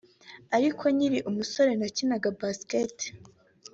ariko nkiri umusore nakinaga Basketball